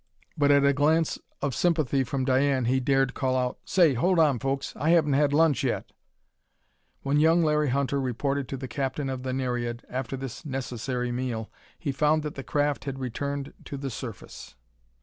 But at a glance of sympathy from Diane, he dared call out: "Say hold on, folks! I haven't had lunch yet!" When young Larry Hunter reported to the captain of the Nereid, after this necessary meal, he found that the craft had returned to the surface.